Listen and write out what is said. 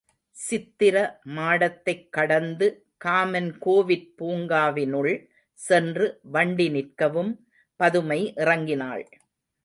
சித்திர மாடத்தைக் கடந்து காமன் கோவிற் பூங்காவினுள் சென்று வண்டி நிற்கவும் பதுமை இறங்கினாள்.